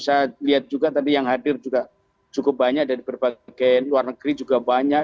saya lihat juga tadi yang hadir juga cukup banyak dari berbagai luar negeri juga banyak